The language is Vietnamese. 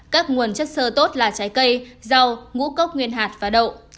các nguồn chất sơ tốt là trái cây rau ngũ cốc nguyên hạt và đậu